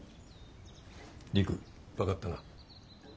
陸分かったな。